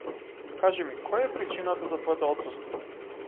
Кажи ми која е причината за твоето отсуство.